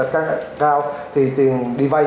cao thì tiền đi vay